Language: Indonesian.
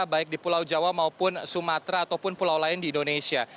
baik di pulau jawa maupun sumatera ataupun pulau lain di indonesia